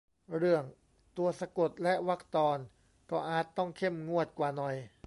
เรื่องตัวสะกดและวรรคตอน ก็อาจต้องเข้มงวดกว่าหน่อย